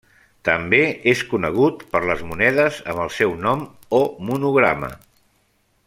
També és conegut per les monedes amb el seu nom o monograma.